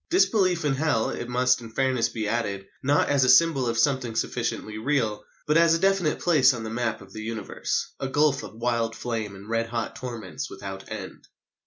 Disbelief in Hell, it must in fairness be added, not as a symbol of something sufficiently real, but as a definite place on the map of the Universe, a gulf of wild flame and red hot torments without end.